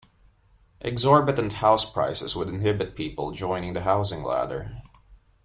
Exorbitant house prices would inhibit people joining the housing ladder.